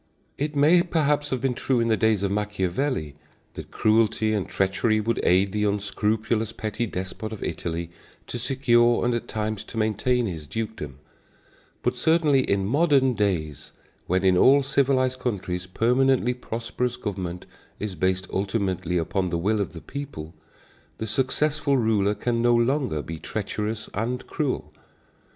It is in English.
It may perhaps have been true in the days of Machiavelli that cruelty and treachery would aid the unscrupulous petty despot of Italy to secure and at times to maintain his dukedom; but certainly in modern days, when in all civilized countries permanently prosperous government is based ultimately upon the will of the people, the successful ruler can no longer be treacherous and cruel.